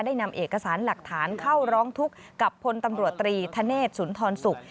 นำเอกสารหลักฐานเข้าร้องทุกข์กับพลตำรวจตรีธเนธสุนทรศุกร์